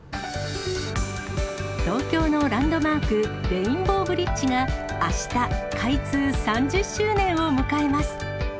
東京のランドマーク、レインボーブリッジが、あした、開通３０周年を迎えます。